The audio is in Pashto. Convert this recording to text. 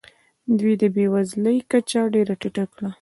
دوی د بې وزلۍ کچه ډېره ټیټه کړه.